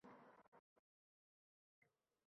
«O’tgan kunlar»